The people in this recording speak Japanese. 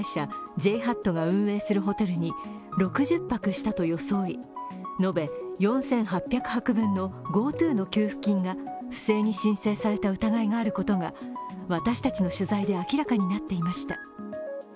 ＪＨＡＴが運営するホテルに６０泊したと装い延べ４８００泊分のＧｏＴｏの給付金が不正に申請された疑いがあることが私たちの取材で明らかになっていました。